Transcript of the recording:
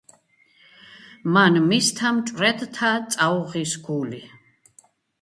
მან მისთა მჭვრეთთა წაუღის გული